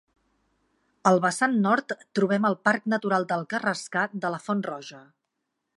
Al vessant nord trobem el Parc Natural del Carrascar de la Font Roja.